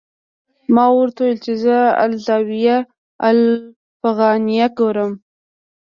ما ورته وویل چې زه الزاویة الافغانیه ګورم.